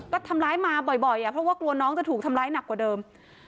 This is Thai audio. ก็ทำร้ายมาบ่อยเพราะว่ากลัวน้องจะถูกทำร้ายหนักกว่าเดิม